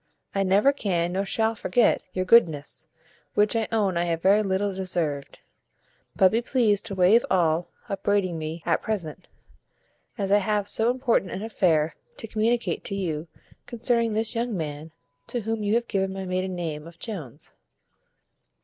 I never can nor shall forget your goodness, which I own I have very little deserved; but be pleased to wave all upbraiding me at present, as I have so important an affair to communicate to you concerning this young man, to whom you have given my maiden name of Jones."